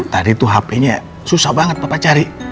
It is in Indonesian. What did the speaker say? tadi tuh hp nya susah banget bapak cari